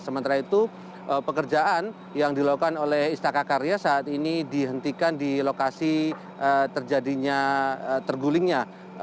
sementara itu pekerjaan yang dilakukan oleh istaka karya saat ini dihentikan di lokasi terjadinya tergulingnya